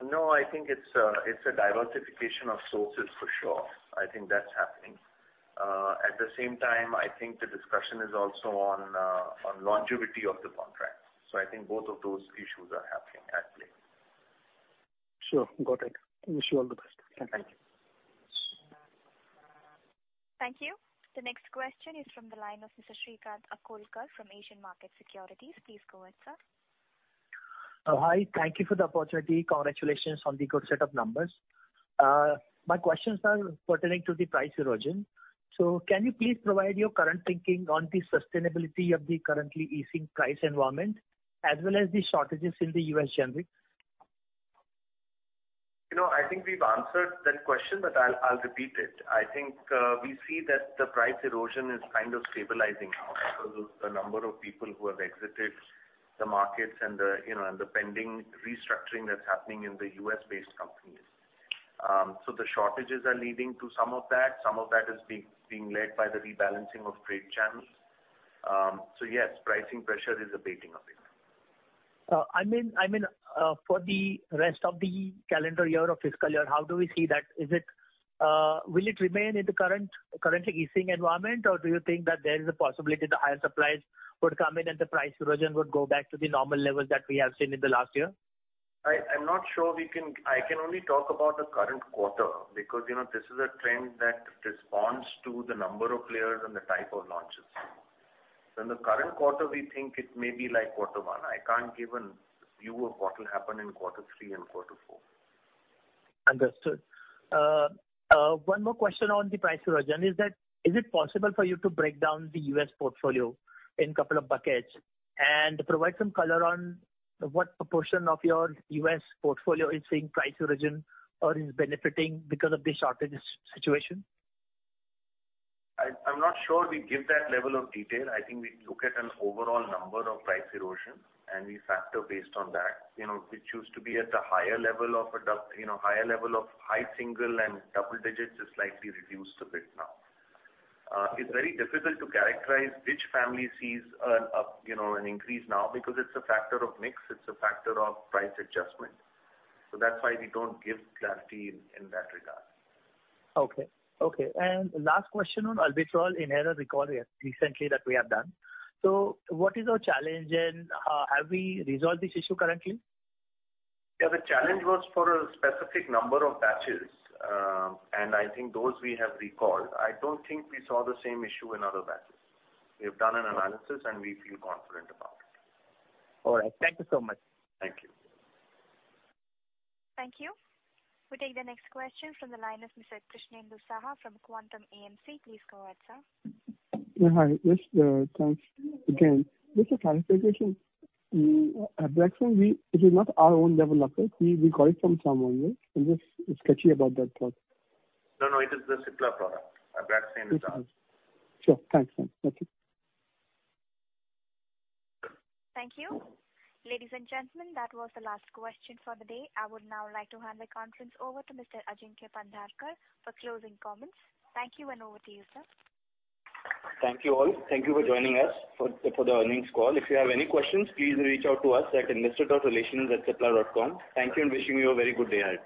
S3: No, I think it's a diversification of sources for sure. I think that's happening. At the same time, I think the discussion is also on longevity of the contract. I think both of those issues are happening at play.
S16: Sure. Got it. Wish you all the best. Thank you.
S3: Thank you.
S1: Thank you. The next question is from the line of Mr. Shrikant Akolkar from Asian Markets Securities. Please go ahead, sir.
S17: Hi. Thank you for the opportunity. Congratulations on the good set of numbers. My questions are pertaining to the price erosion. Can you please provide your current thinking on the sustainability of the currently easing price environment, as well as the shortages in the U.S. generic?
S3: You know, I think we've answered that question, but I'll repeat it. I think, we see that the price erosion is kind of stabilizing now because of the number of people who have exited the markets and the, you know, and the pending restructuring that's happening in the US-based companies. The shortages are leading to some of that. Some of that is being led by the rebalancing of trade channels. Yes, pricing pressure is abating a bit.
S17: I mean, for the rest of the calendar year or fiscal year, how do we see that? Is it, will it remain in the current, currently easing environment, or do you think that there is a possibility the higher supplies would come in and the price erosion would go back to the normal levels that we have seen in the last year?
S3: I'm not sure we can. I can only talk about the current quarter, because, you know, this is a trend that responds to the number of players and the type of launches. In the current quarter, we think it may be like quarter one. I can't give a view of what will happen in quarter three and quarter four.
S17: Understood. One more question on the price erosion, is that, is it possible for you to break down the U.S. portfolio in couple of buckets and provide some color on what proportion of your U.S. portfolio is seeing price erosion or is benefiting because of the shortage situation?
S3: I'm not sure we give that level of detail. I think we look at an overall number of price erosion, and we factor based on that. You know, which used to be at a higher level of you know, higher level of high single and double digits, is slightly reduced a bit now. It's very difficult to characterize which family sees an up, you know, an increase now, because it's a factor of mix, it's a factor of price adjustment. That's why we don't give clarity in that regard.
S17: Okay. Okay, last question on Albuterol in error recall recently that we have done. What is our challenge, and have we resolved this issue currently?
S3: Yeah, the challenge was for a specific number of batches, and I think those we have recalled. I don't think we saw the same issue in other batches. We've done an analysis, and we feel confident about it.
S17: All right. Thank you so much.
S3: Thank you.
S1: Thank you. We'll take the next question from the line of Mr. Krishnendu Saha from Quantum AMC. Please go ahead, sir.
S12: Hi. Just thanks again. Just a clarification, Abraxane, it is not our own developer. We call it from someone, yeah, and just sketchy about that product.
S3: No, no, it is the Cipla product, Abraxane is ours.
S12: Sure. Thanks, ma'am. Thank you.
S1: Thank you. Ladies and gentlemen, that was the last question for the day. I would now like to hand the conference over to Mr. Ajinkya Pandharkar for closing comments. Thank you, and over to you, sir.
S2: Thank you, all. Thank you for joining us for the earnings call. If you have any questions, please reach out to us at investor.relations@cipla.com. Thank you, wishing you a very good day ahead.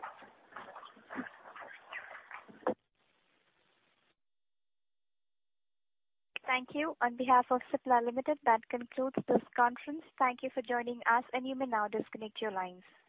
S1: Thank you. On behalf of Cipla Limited, that concludes this conference. Thank you for joining us, and you may now disconnect your lines.